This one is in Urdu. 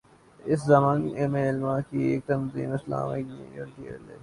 اس ضمن میں علما کی ایک تنظیم ”اسلامک یونٹی الائنس“